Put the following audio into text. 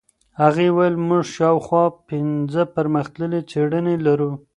هغې وویل موږ شاوخوا پنځه پرمختللې څېړنې لرو.